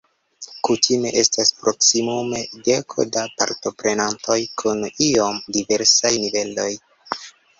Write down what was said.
Kutime estas proksimume deko da partoprenantoj kun iom diversaj niveloj.